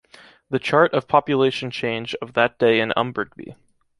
The chart of population change of that day in Umburgby